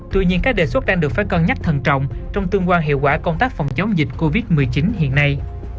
tuy nhiên các đề xuất đang được phải cân nhắc thần trọng trong tương quan hiệu quả công tác phòng chống dịch covid một mươi chín hiện nay